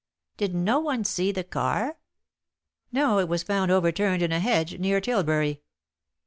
"Did no one see the car?" "No, it was found overturned in a hedge, near Tilbury."